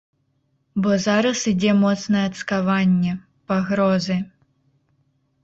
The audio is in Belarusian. Бо зараз ідзе моцнае цкаванне, пагрозы.